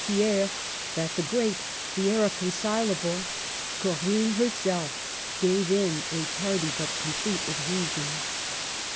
Thiers, that the great, the irreconcilable " Corinne " herself, gave in a tardy but complete adhesion.